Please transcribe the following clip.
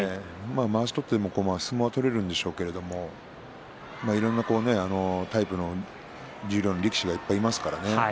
まわしを取っても相撲が取れるんですけれどいろんなタイプの十両の力士がいっぱいいますからね。